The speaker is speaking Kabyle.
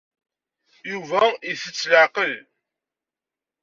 Yuba ittett s leɛqel.